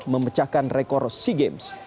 memecahkan rekor sea games